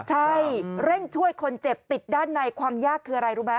ใช่เร่งช่วยคนเจ็บติดด้านในความยากคืออะไรรู้ไหม